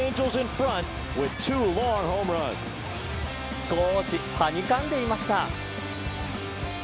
少しはにかんでいました。